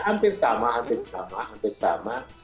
hampir sama hampir sama